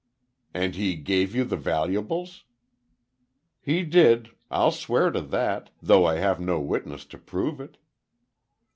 "And he gave you the valuables?" "He did. I'll swear to that—though I have no witness to prove it."